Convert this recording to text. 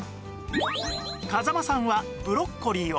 風間さんはブロッコリーを